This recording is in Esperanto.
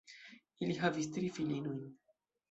Ili havis tri filinojn.